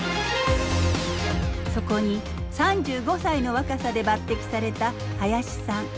そこに３５歳の若さで抜てきされた林さん。